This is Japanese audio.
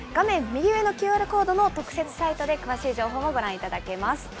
右上のＱＲコードの特設サイトで詳しい情報をご覧いただけます。